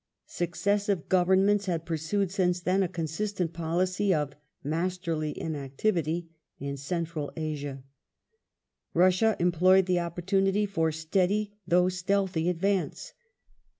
Successive Governments had pursued since then a consistent policy of ''masterly inactivity" in Central Asia. Russia employed the opportunity for steady though stealthy advance.